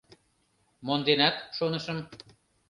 Монденат, шонышым.